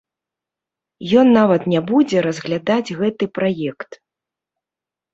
Ён нават не будзе разглядаць гэты праект.